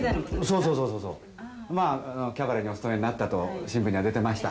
・そうそうそうそうそうまあキャバレーにお勤めになったと新聞には出てました